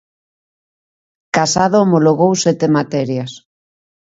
Casado homologou sete materias.